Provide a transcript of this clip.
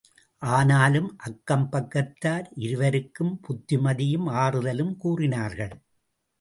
ஆனாலும் அக்கம் பக்கத்தார் இருவருக்கும் புத்திமதியும் ஆறுதலும் கூறினார்கள்.